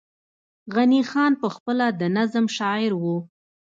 غني خان پخپله د نظم شاعر وو